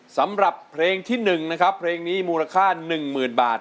สำหรับเพลงที่๑นะครับเพลงนี้มูลค่า๑๐๐๐บาท